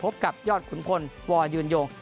พบกับยอดขุนพลวอยืนยง